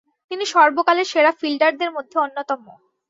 তিনি সর্বকালের সেরা ফিল্ডারদের মধ্যে অন্যতম।